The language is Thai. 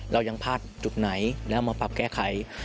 เรายังพลาดจุดไหนแล้วมาปรับแก้ไข